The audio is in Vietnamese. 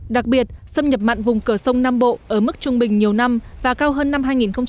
đặc biệt xâm nhập mặn vùng cờ sông nam bộ ở mức trung bình nhiều năm và cao hơn năm hai nghìn một mươi bảy hai nghìn một mươi tám